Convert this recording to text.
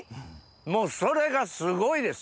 もうそれがすごいです。